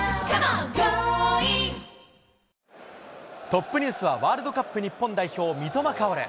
トップニュースはワールドカップ日本代表、三笘薫。